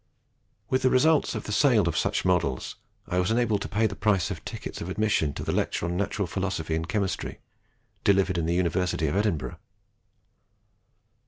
With the results of the sale of such models I was enabled to pay the price of tickets of admission to the lectures on natural philosophy and chemistry delivered in the University of Edinburgh.